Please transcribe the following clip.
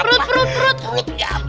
perut perut perut